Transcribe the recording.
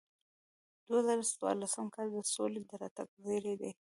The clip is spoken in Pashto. دوه زره څوارلسم کال د سولې د راتګ زیری دی.